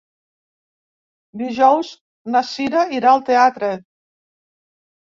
Dijous na Cira irà al teatre.